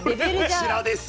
こちらですよ。